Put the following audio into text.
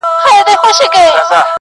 ګلسوم د نجونو نښه ده تل,